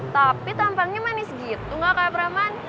tapi tampangnya manis gitu gak kayak preman